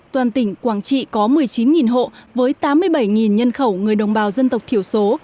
toàn tỉnh quảng trị có một mươi chín hộ với tám mươi bảy nhân khẩu người đồng bào dân tộc thiểu số